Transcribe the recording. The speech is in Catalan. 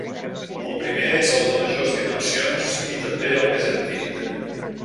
El primer és el de majors dimensions i també el més antic.